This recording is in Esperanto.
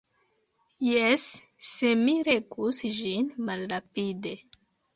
Jes, se mi legus ĝin malrapide.